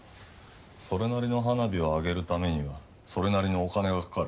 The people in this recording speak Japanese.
それなりの花火を上げるためにはそれなりのお金がかかる。